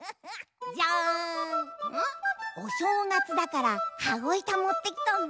じゃん！おしょうがつだからはごいたもってきたんだ。